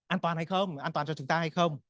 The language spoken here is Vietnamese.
an toàn hay không an toàn cho chúng ta hay không